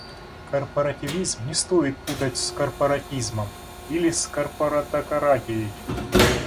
Корпоративизм не стоит путать с корпоратизмом или корпоратократией.